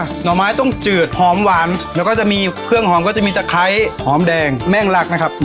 ห่อไม้ต้มจืดหอมหวานแล้วก็จะมีเครื่องหอมก็จะมีตะไคร้หอมแดงแม่งลักนะครับ